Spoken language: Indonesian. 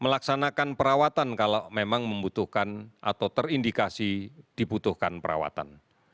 melaksanakan perawatan kalau memang membutuhkan atau terindikasi dibutuhkan perawatan